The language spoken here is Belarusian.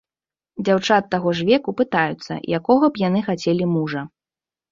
Дзяўчат таго ж веку пытаюцца, якога б яны хацелі мужа.